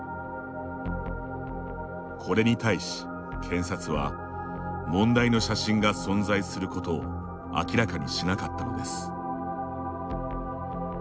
これに対し検察は問題の写真が存在することを明らかにしなかったのです。